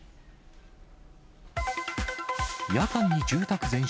夜間に住宅全焼。